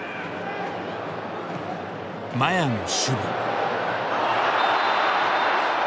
麻也の守備。